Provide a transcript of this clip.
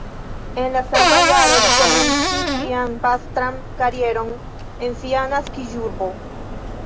En la sama jaro li komencis sian pastran karieron en sia naskiĝurbo.